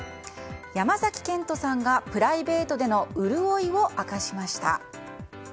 山崎賢人さんがプライベートでの潤いを明かしました。